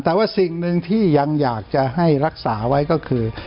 แต่ว่าสิ่งหนึ่งที่ยังอยากจะให้รักษาไว้ก็คือ